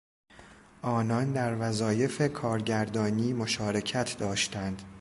آنان در وظایف کارگردانی مشارکت داشتند.